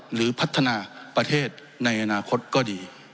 หรือพัฒนาประเทศในอนาคตก็ดี